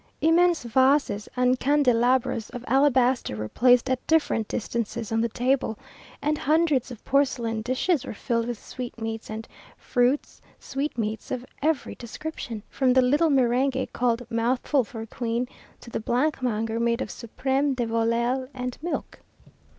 Immense vases and candelabras of alabaster were placed at different distances on the table, and hundreds of porcelain dishes were filled with sweetmeats and fruits sweetmeats of every description, from the little meringue called "mouthful for a queen," to the blancmanger made of supreme de volaille and milk.